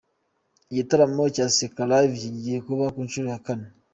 Igitaramo cya Seka Live kigiye kuba ku nshuro ya kane.